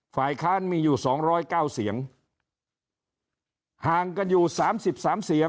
ฝ่ายค้านมีอยู่๒๐๙เสียงห่างกันอยู่๓๓เสียง